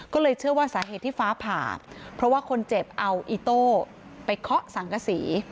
ก็เลยเชื่อว่าสาเหตุที่ฟ้าผ่าเพราะว่าคนเจ็บเอาอิโต้ไปเคาะสังกษี